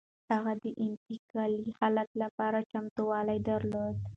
هغه د انتقالي حالت لپاره چمتووالی درلود.